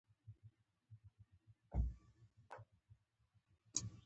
محمود راقي ښار کوچنی دی؟